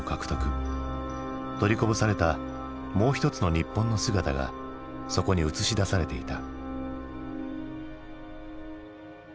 取りこぼされたもう一つの日本の姿がそこに映し出されていた。